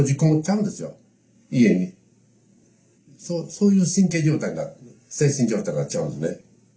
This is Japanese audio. そういう精神状態になっちゃうんですね。